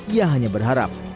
ia hanya berharap